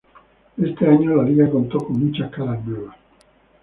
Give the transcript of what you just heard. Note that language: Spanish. Este año la liga contó con muchas caras nuevas.